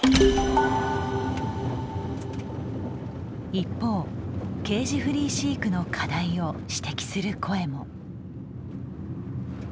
一方ケージフリー飼育の課題を指摘する声も。